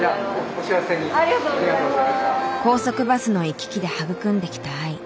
高速バスの行き来で育んできた愛。